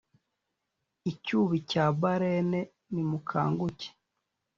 Icyubi cya Balene Nimukanguke